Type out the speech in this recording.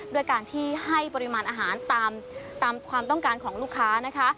ด้วยการที่ให้ปริมาณอาหารตามความต้องการของลูกค้านะคะ